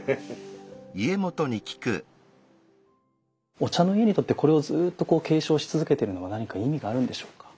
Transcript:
お茶の家にとってこれをずっと継承し続けてるのは何か意味があるんでしょうか？